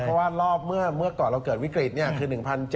เพราะว่ารอบเมื่อก่อนเราเกิดวิกฤตคือ๑๗๐